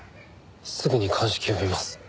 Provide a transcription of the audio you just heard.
すぐに鑑識呼びます。